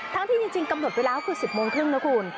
ทั้งที่จริงกำหนดไปแล้วคือ๑๐โมงครึ่งนะคุณ